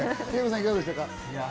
いかがでしたか？